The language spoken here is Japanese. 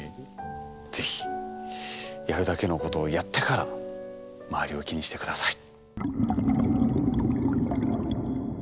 是非やるだけのことをやってから周りを気にして下さい。